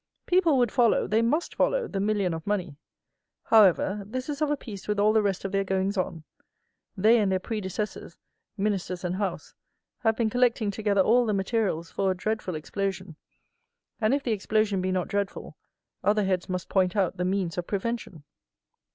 People would follow, they must follow, the million of money. However, this is of a piece with all the rest of their goings on. They and their predecessors, Ministers and House, have been collecting together all the materials for a dreadful explosion; and if the explosion be not dreadful, other heads must point out the means of prevention.